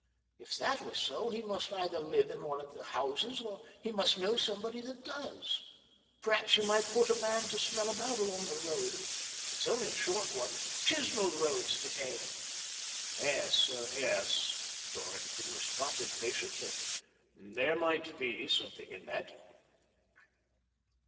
If that were so he must either live in one of the houses, or he must know somebody that does. Perhaps you might put a man to smell about along that road — it's only a short one ; Chisnall Koad's the name." "Yes, yes," Dorrington responded patiently. "There might be something in that."